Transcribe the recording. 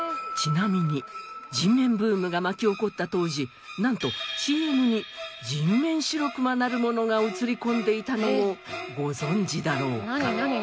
人面ブームが巻き起こった当時なんとＣＭに人面シロクマなるものが映り込んでいたのをご存じだろうか？